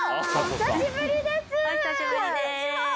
お久しぶりです。